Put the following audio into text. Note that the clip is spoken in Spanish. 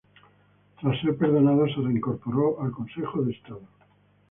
Tras ser perdonado se reincorporó al Consejo de Estado.